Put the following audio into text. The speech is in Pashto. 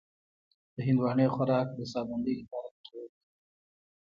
د هندواڼې خوراک د ساه بندۍ لپاره ګټور دی.